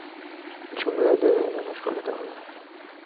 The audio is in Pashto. جمله د وینا بشپړ ډول دئ.